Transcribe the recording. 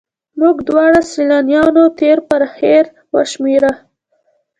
موږ دواړو سیلانیانو تېر پر هېر وشمېره.